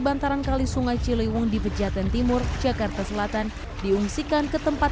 bantaran kali sungai ciliwung di pejaten timur jakarta selatan diungsikan ke tempat